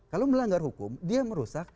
kalau melanggar hukum dia merusak